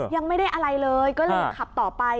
ยังไม่ได้อะไรเลยก็เลยขับต่อไป